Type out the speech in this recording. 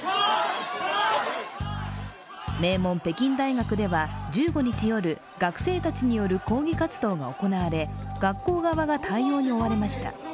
名門・北京大学では１５日夜学生たちによる抗議活動が行われ学校側が対応に追われました。